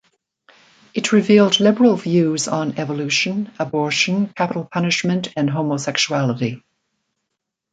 It revealed liberal views on evolution, abortion, capital punishment, and homosexuality.